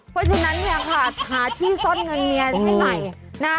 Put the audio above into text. เพราะฉะนั้นเนี่ยค่ะหาที่ซ่อนเงินเมียให้ใหม่นะ